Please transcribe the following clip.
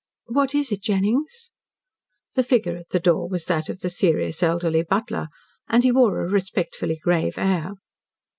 "What is it, Jennings?" The figure at the door was that of the serious, elderly butler, and he wore a respectfully grave air.